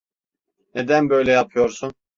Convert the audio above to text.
Neden böyle yapıyorsun?